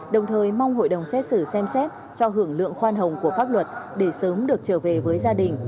đồng thời mong hội đồng xét xử xem xét cho hưởng lượng khoan hồng của pháp luật để sớm được trở về với gia đình